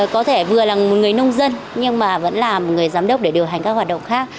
có thể vừa là một người nông dân nhưng mà vẫn là một người giám đốc để điều hành các hoạt động khác